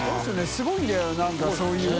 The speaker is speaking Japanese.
すごいんだよなんかそういうの。